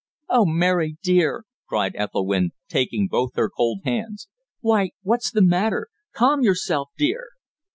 "Oh! Mary, dear!" cried Ethelwynn, taking both her cold hands. "Why, what's the matter? Calm yourself, dear."